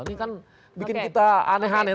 ini kan bikin kita aneh aneh